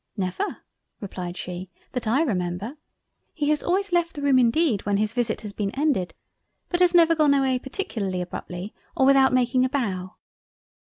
"Never (replied she) that I remember—he has always left the room indeed when his visit has been ended, but has never gone away particularly abruptly or without making a bow."